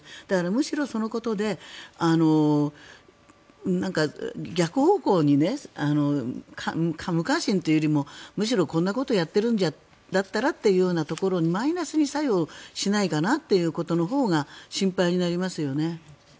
むしろそのことで逆方向に無関心というよりもむしろ、こんなことをやっているんだったらというマイナスに作用しないかなということのほうが心配になりますよね。